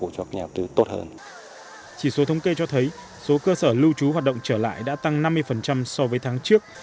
chỉ số thống kê cho thấy số cơ sở lưu trú hoạt động trở lại đã tăng năm mươi so với tháng trước